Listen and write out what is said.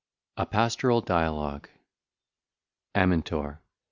A Pastoral Dialogue. _Amintor.